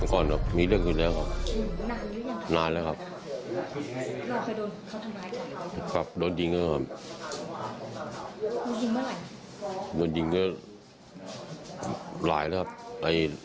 ข้างนั้นก็เลยเมาไป